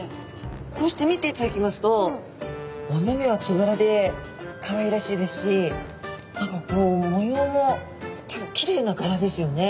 こうして見ていただきますとお目々はつぶらでかわいらしいですし何かこう模様も結構きれいながらですよね。